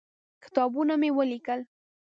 کتابونه مې ولیکل.